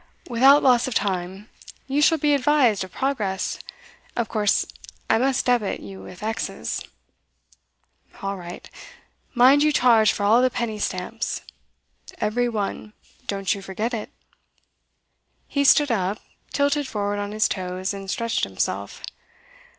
'Without loss of time. You shall be advised of progress. Of course I must debit you with exes.' 'All right. Mind you charge for all the penny stamps.' 'Every one don't you forget it.' He stood up, tilted forward on his toes, and stretched himself.